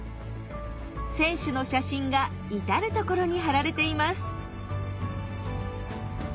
選手の写真が至る所に貼られています。